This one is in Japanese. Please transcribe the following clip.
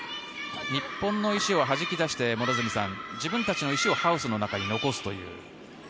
日本の石をはじき出して両角さん、自分たちの石をハウスの中に残すという。